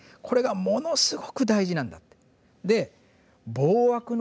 これがものすごく大事なんだって。